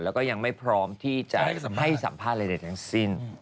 แล้วก็ยังไม่พร้อมที่จะให้สัมภาษณ์ใดทั้งสิ้น